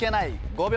５秒。